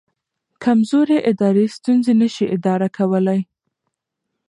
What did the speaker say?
کمزوري ادارې ستونزې نه شي اداره کولی.